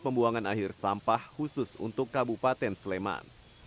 pembuangan akhir sampah khusus untuk kabupaten sleman